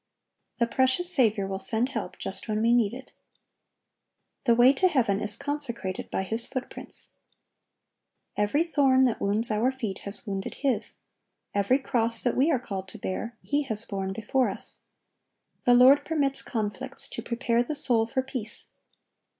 The precious Saviour will send help just when we need it. The way to heaven is consecrated by His footprints. Every thorn that wounds our feet has wounded His. Every cross that we are called to bear, He has borne before us. The Lord permits conflicts, to prepare the soul for peace.